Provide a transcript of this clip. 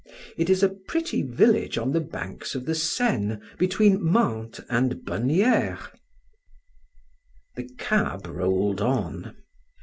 It is a pretty village on the banks of the Seine between Mantes and Bonnieres." The cab rolled on.